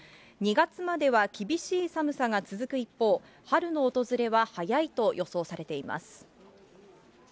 ２月までは厳しい寒さが続く一方、春の訪れは早いと予想されています。